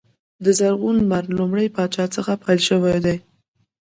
د زرغون لمر لومړي پاچا څخه پیل شوی دی.